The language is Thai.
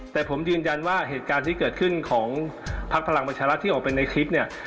แต่ผมยืนยันว่าเหตุการณ์ที่เกิดขึ้นของพักพลังประชารัฐที่ออกไปในคลิปเนี่ย